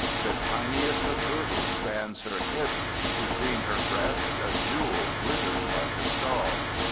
The tiniest of girdles spans her hips; between her breasts a jewel glitters like a star.